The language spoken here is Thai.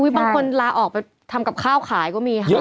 บางคนลาออกไปทำกับข้าวขายก็มีค่ะ